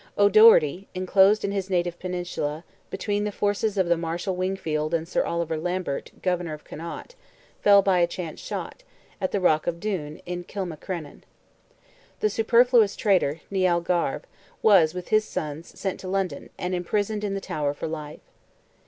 O'Doherty, enclosed in his native peninsula, between the forces of the Marshal Wingfield and Sir Oliver Lambert, Governor of Connaught, fell by a chance shot, at the rock of Doon, in Kilmacrenan. The superfluous traitor, Nial Garve, was, with his sons, sent to London, and imprisoned in the Tower for life.